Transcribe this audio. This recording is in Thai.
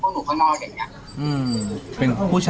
หนูสู้ได้เท่าที่หนูสู้อ่ะพี่